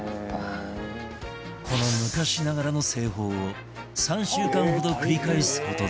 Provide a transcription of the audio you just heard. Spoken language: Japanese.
この昔ながらの製法を３週間ほど繰り返す事で